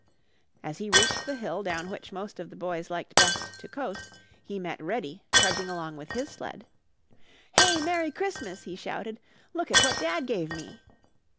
As he reached the hill down which most of the boys liked best to coast, he met Reddy, trudging along with his sled. "Hey, Merry Christmas," he shouted. "Look at what Dad gave me!"